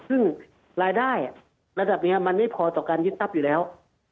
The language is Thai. ซึ่งรายได้ระดับนี้มันไม่พอต่อการยึดทรัพย์อยู่แล้ว